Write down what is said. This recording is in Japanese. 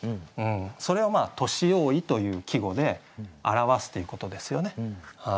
それを「年用意」という季語で表すということですよね。